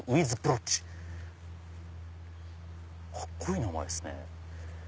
カッコいい名前ですね。